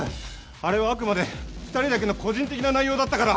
あれはあくまで２人だけの個人的な内容だったから。